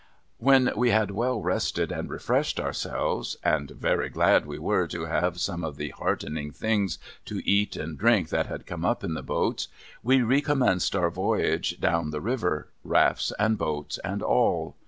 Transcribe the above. When we had well rested and refreshed ourselves — and very glad we were to have some of the heartening things to eat and drink that had come up in the boats — we recommenced our voyage down the river : rafts, and boats, and all.